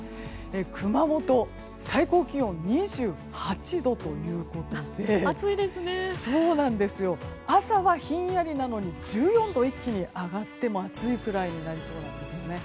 熊本最高気温２８度ということで朝はひんやりなのに１４度一気に上がって暑いくらいになりそうなんですよね。